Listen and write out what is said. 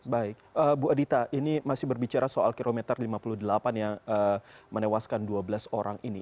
baik bu adita ini masih berbicara soal kilometer lima puluh delapan yang menewaskan dua belas orang ini